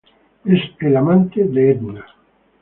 Es el amante de Edna.